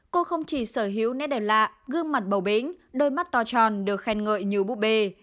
cô không chỉ sở hữu nét đẹp lạ gương mặt bầu bính đôi mắt to tròn được khen ngợi như búp bê